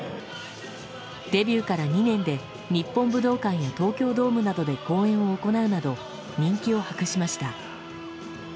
デビューから２年で日本武道館や東京ドームなどで公演を行うなど人気を博しました。